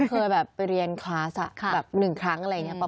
เคยไปเรียนคลาสนึงครั้งอะไรอย่างนี้